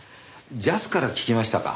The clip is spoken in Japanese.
ジャスから聞きましたか。